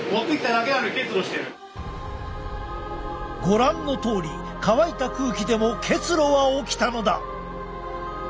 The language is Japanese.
ご覧のとおり乾いた空気でも結露は起きたのだ！